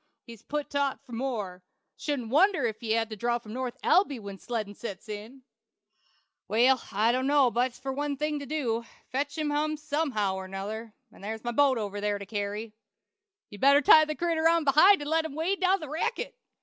He's put to't for more. Shouldn't wonder ef he had to draw from North Elby when sleddin' sets in." "Well, I dono's there's but one thing for to do; fetch him hum somehow or 'nother; 'nd there's my boat over to the carry!" "You'd better tie the critter on behind an' let him wade down the Racket!"